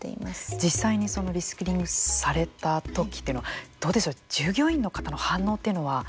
実際に、そのリスキリングされたときというのはどうでしょう従業員の方の反応というのは。